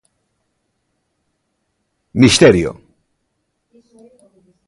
¡Misterio!